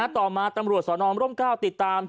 ต่อมาตำรวจสอนอมร่มเกล้าติดตาม